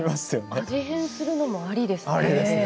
味変するのもありですね。